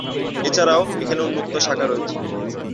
এছাড়া এখানে উন্মুক্ত শাখা রয়েছে।